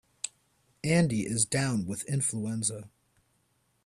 Andy is down with influenza.